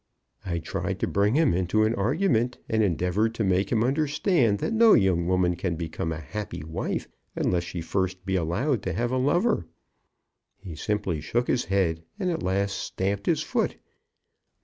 I tried to bring him into an argument, and endeavoured to make him understand that no young woman can become a happy wife unless she first be allowed to have a lover. He merely shook his head, and at last stamped his foot.